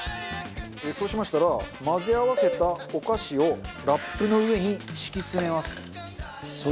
そうしましたら混ぜ合わせたお菓子をラップの上に敷き詰めます。